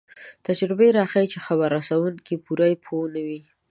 تجربه راښيي چې خبر رسوونکی پوره پوه نه وي.